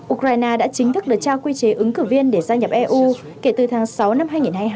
ukraine đã chính thức đợt trao quy chế ứng cử viên để gia nhập eu kể từ tháng sáu năm hai nghìn hai mươi hai